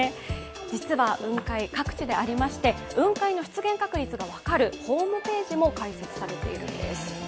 実は雲海、各地でありまして、雲海の出現確率が分かるホームページも開設されているんです。